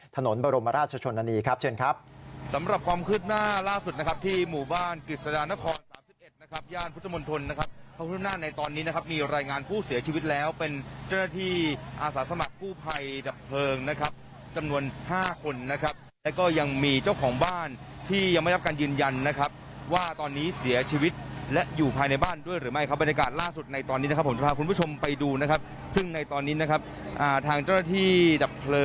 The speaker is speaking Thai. ถนนบรมราชชนนานีครับเชิญครับ